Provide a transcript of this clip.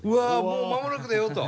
もう間もなくだよと。